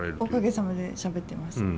おかげさまでしゃべってます。